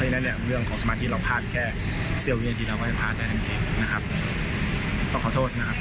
เราพยายามที่จะกลับมาให้ได้นะครับอ่าต่อจากนี้ไปเราเราเรามองที่